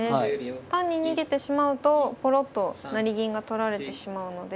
単に逃げてしまうとポロッと成銀が取られてしまうので。